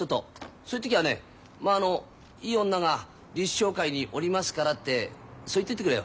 そういう時はねまああのいい女がリーチ商会におりますからってそう言っといてくれよ